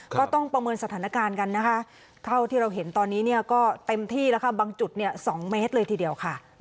ก็ต้องประเมินสถานการณ์กันนะคะเท่าที่เราเห็นตอนนี้เนี่ยก็เต็มที่แล้วค่ะบางจุด๒เมตรเลยทีเดียวค่ะ